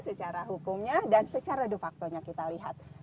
secara hukumnya dan secara de facto nya kita lihat